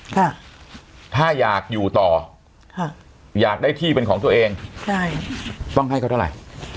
ค่ะถ้าอยากอยู่ต่อค่ะอยากได้ที่เป็นของตัวเองใช่ต้องให้เขาเท่าไหร่